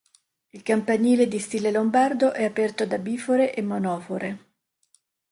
Il campanile, di stile lombardo, è aperto da bifore e monofore.